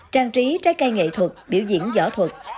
trang trí trái cây nghệ thuật biểu diễn võ thuật